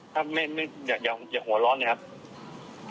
ถ้าไม่อยากหัวร้อนนะครับ